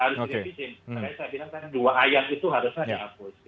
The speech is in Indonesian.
karena saya bilang tadi dua ayat itu harusnya dihapus